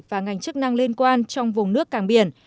và ngành chức năng liên quan trong vùng nước cảng biển